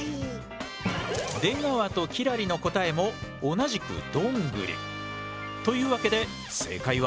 出川と輝星の答えも同じく「ドングリ」。というわけで正解は？